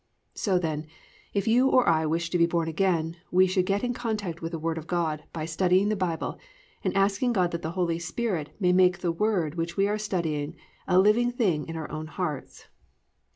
So then, if you or I wish to be born again we should get in contact with the Word of God by studying the Bible and asking God that the Holy Spirit may make that Word which we are studying a living thing in our own hearts.